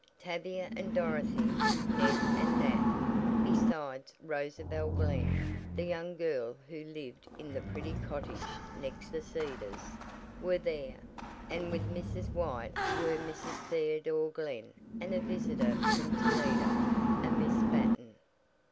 Tavia and Dorothy, Ned and Nat, besides Rosabel Glen, the young girl who lived in the pretty cottage next the Cedars, were there, and with Mrs. White were Mrs. Theodore Glen and a visitor from Toledo, a Miss Battin.